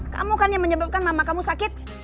kamu kan yang menyebabkan mama kamu sakit